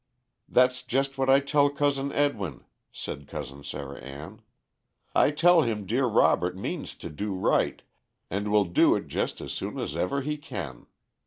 "That's just what I tell Cousin Edwin," said Cousin Sarah Ann. "I tell him dear Robert means to do right, and will do it just as soon as ever he can.